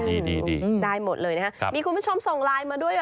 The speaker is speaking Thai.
นี่ได้หมดเลยนะครับมีคุณผู้ชมส่งไลน์มาด้วยเหรอ